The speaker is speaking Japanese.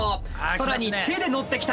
更に手で乗ってきた。